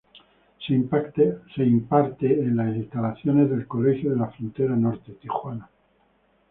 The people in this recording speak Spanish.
Se imparte en las instalaciones de El Colegio de la Frontera Norte, Tijuana.